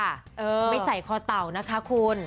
ไม่ใส่คอเต่านะคะคุณ